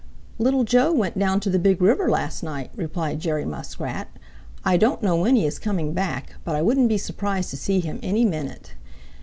"Little Joe went down to the Big River last night," replied Jerry Muskrat. "I don't know when he is coming back, but I wouldn't be surprised to see him any minute.